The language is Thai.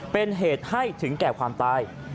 เป็นเหตุให้ถึงแก่ความตาย